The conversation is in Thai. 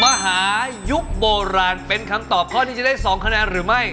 หายุคโบราณเป็นคำตอบข้อที่จะได้๒คะแนนหรือไม่